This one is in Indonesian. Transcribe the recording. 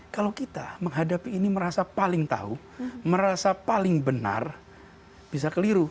kalau kita menghadapi ini merasa paling tahu merasa paling benar bisa keliru